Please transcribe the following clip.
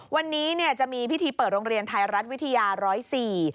วันนี้จะมีพิธีเปิดโรงเรียนท้ายรัดวิทยาศูนย์๑๐๔